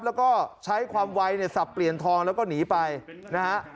แล้วก็ใช้ความไวเนี่ยสับเปลี่ยนทองแล้วก็หนีไปนะฮะ